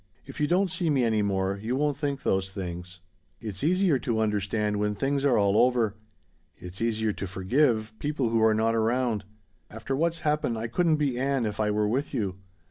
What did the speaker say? "If you don't see me any more, you won't think those things. It's easier to understand when things are all over. It's easier to forgive people who are not around. After what's happened I couldn't be Ann if I were with you.